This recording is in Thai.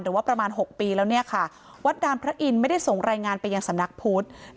หรือว่าประมาณ๖ปีแล้วเนี่ยค่ะวัดดามพระอินทร์ไม่ได้ส่งรายงานไปยังสำนักพุทธศาสนาทุกปี